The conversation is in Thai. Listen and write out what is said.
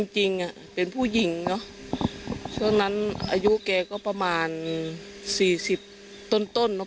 จริงเป็นผู้หญิงเนอะช่วงนั้นอายุแกก็ประมาณ๔๐ต้นเนอะ